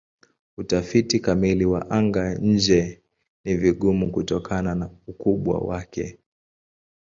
Utafiti kamili wa anga-nje ni vigumu kutokana na ukubwa wake.